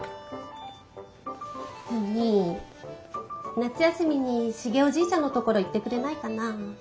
夏休みにシゲおじいちゃんのところ行ってくれないかなあ。